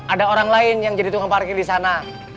ada orang lain yang jadi tukang parkir di sana